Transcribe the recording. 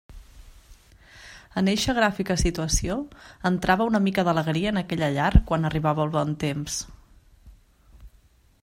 En eixa gràfica situació entrava una mica d'alegria en aquella llar quan arribava el bon temps.